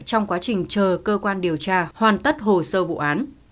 trong quá trình chờ cơ quan điều tra hoàn tất hồ sơ vụ án